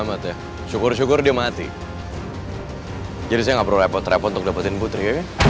aku udah janji tanpa diraku sendiri